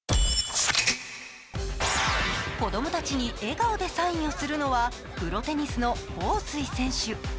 子供たちに笑顔でサインするのはプロテニスの彭帥選手。